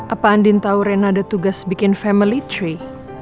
apa andin tahu ren ada tugas bikin family tree